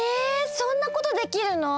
そんなことできるの？